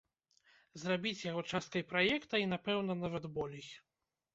Зрабіць яго часткай праекта, і, напэўна, нават болей.